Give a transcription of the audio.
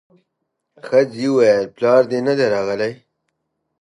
ښځې وويل پلار دې نه دی راغلی.